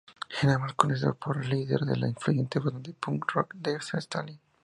Era más conocido como líder de la influyente banda de punk rock The Stalin.